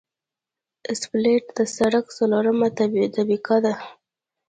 اسفالټ د سرک څلورمه طبقه ده